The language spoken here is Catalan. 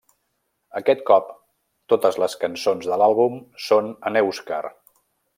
Aquest cop, totes les cançons de l'àlbum són en èuscar.